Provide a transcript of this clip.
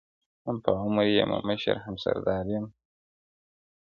هم په عمر يمه مشر هم سردار يم.!